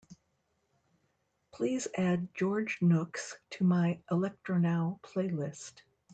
please add george nooks to my electronow playlist